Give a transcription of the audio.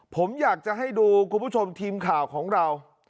ผมอยากจะให้ดูคุณผู้ชมทีมข่าวของเรา